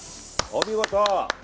お見事！